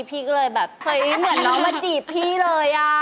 พี่ก็เลยแบบเฮ้ยเหมือนน้องมาจีบพี่เลย